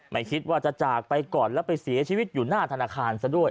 ไม่คิดว่าจะจากไปก่อนแล้วไปเสียชีวิตอยู่หน้าธนาคารซะด้วย